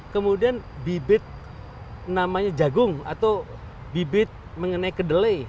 kemudian bibit namanya jagung atau bibit mengenai kedelai